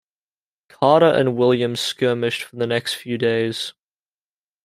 Carter and Williams skirmished for the next few days.